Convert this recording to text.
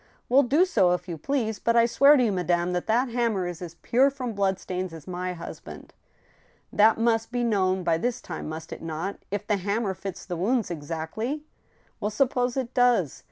^ Well, do so, if you please* But I swear to you, madame, that that hammer is as pure from bloodstains as my husband !"*' That must be known by this time, must it not ? If the ham mer fits the wounds exactly —?"" Well, suppose it does